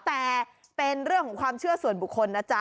แต่เป็นเรื่องของความเชื่อส่วนบุคคลนะจ๊ะ